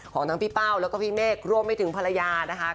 ของทั้งพี่เป้าแล้วก็พี่เมฆรวมไปถึงภรรยานะคะ